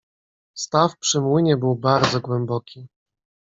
"Staw przy młynie był bardzo głęboki."